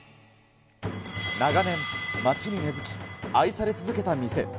長年、街に根づき、愛され続けた店。